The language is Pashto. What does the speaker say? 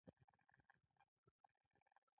ګاووزي وویل: لومړی څوک جګړه پېلوي؟